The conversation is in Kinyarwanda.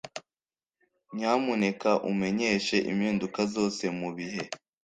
Nyamuneka umenyeshe impinduka zose mubihe.